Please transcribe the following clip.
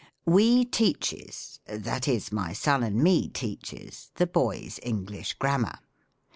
j " We teaches, that is, my son and me teaches, thef boys English Grammar.